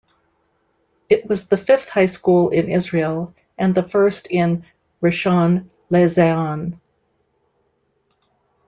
It was the fifth high school in Israel and the first in Rishon LeZion.